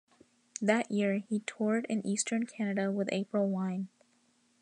That year he toured in eastern Canada with April Wine.